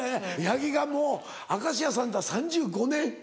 八木がもう『明石家サンタ』３５年。